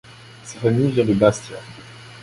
Sa famille vient de Bastia.